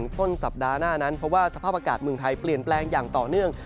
ต้นสัปดาห์หน้านั้นเพราะว่าสภาพอากาศเมืองไทยเปลี่ยนแปลงอย่างต่อเนื่อง